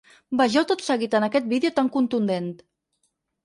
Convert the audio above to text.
Vegeu tot seguit aquest vídeo tan contundent.